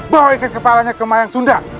bawa ikan kepalanya ke mayang sunda